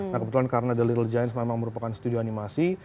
nah kebetulan karena the little giants memang merupakan studio animasi